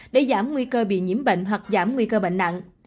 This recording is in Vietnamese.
để giảm nguy cơ bị nhiễm bệnh hoặc giảm nguy cơ bệnh nặng